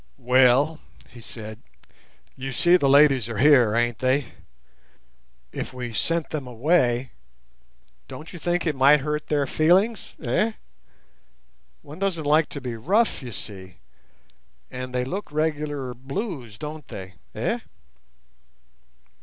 "Well," he said, "you see the ladies are here, ain't they? If we sent them away, don't you think it might hurt their feelings, eh? One doesn't like to be rough, you see; and they look regular blues, don't they, eh?"